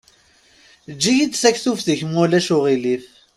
Eǧǧ-iyi-d taktubt-ik ma ulac aɣilif.